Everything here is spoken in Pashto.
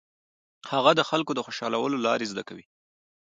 هغه د خلکو د خوشالولو لارې زده کوي.